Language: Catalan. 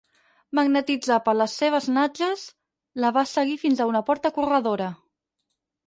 Magnetitzat per les seves natges, la va seguir fins a una porta corredora.